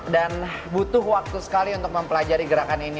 dan butuh waktu sekali untuk mempelajari gerakan ini